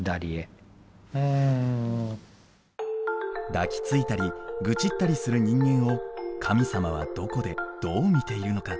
抱きついたり愚痴ったりする人間を神様はどこでどう見ているのか。